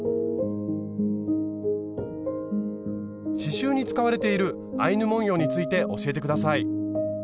刺しゅうに使われているアイヌ文様について教えて下さい。